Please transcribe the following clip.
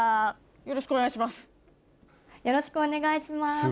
よろしくお願いします。